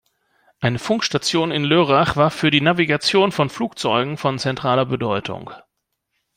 Eine Funkstation in Lörrach war für die Navigation von Flugzeugen von zentraler Bedeutung.